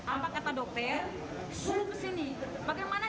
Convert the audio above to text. apa kata dokter